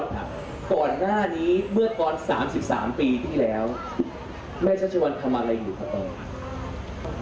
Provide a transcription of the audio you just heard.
ก่อนหน้านี้เมื่อตอน๓๓ปีที่แล้วแม่ชัชวัลทำอะไรอยู่ครับตอนนี้